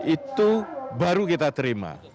itu baru kita terima